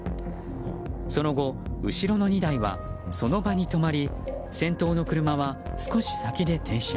その後、後ろの２台はその場に止まり先頭の車は少し先で停車。